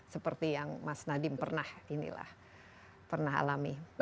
seperti yang mas nadiem pernah inilah pernah alami